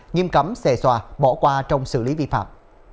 nghiêm cấm xe xòa bỏ qua trong xử lý vi phạm